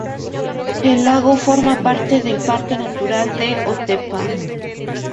El lago forma parte del parque natural de Otepää.